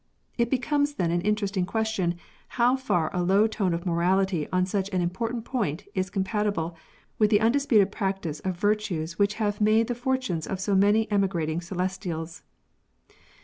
It becomes then an interesting question how far a low tone of morality on such an important point is compatible with the undisputed practice of virtues which have made the fortunes of so many emigrating Celestials.